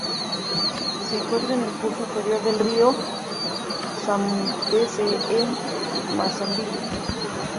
Se encuentra en el curso inferior del río Zambeze en Mozambique.